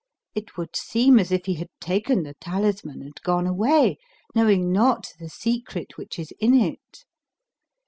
It would seem as if he had taken the talisman and gone away, knowing not the secret which is in it.